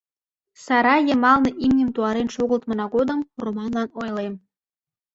Сарай йымалне имньым туарен шогылтмына годым Романлан ойлем: